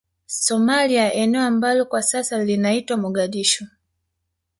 Somalia eneo ambalo kwa sasa linaitwa Mogadishu